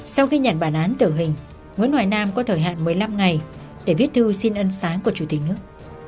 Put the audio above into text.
sau khi nhận bản án tử hình nguyễn hoài nam có thời hạn một mươi năm ngày để viết thư xin ân sáng của chủ tịch nước